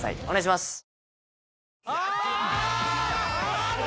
お願いします。